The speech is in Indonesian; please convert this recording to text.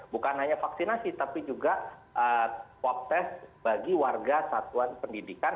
bukan hanya vaksinasi tapi juga swab test bagi warga satuan pendidikan